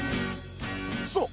そう。